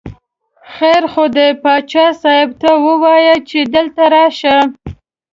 خیر خو دی، باچا صاحب ته ووایه چې دلته راشه.